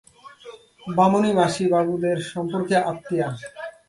বামনী মাসি বাবুদের সম্পর্কে আত্মীয়া।